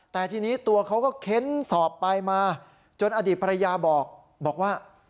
แต่ทีนี้ตัวเขาก็เค้นสอบไปมาจนอดีตภรรยาบอกบอกว่า